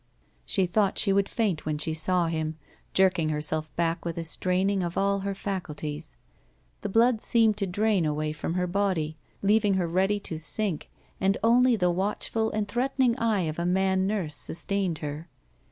She thought she would faint when she saw him, jerking herself back with a straining of all her faculties. The blood seemed to drain away from her body, leaving her ready to sink, and only the watch ful and threatening eye of a man nurse sustained her.